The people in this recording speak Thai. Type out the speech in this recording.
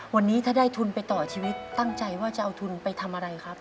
วันนี้ถ้าได้ทุนไปต่อชีวิตตั้งใจว่าจะเอาทุนไปทำอะไรครับ